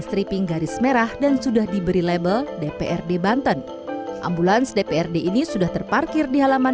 stripping garis merah dan sudah diberi label dprd banten ambulans dprd ini sudah terparkir di halaman